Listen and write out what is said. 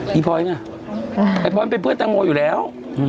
พี่พลอย่างนั้นพี่พลเป็นเพื่อนตังโมอยู่แล้ว